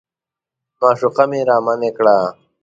معشوقه مې رامنې کړه.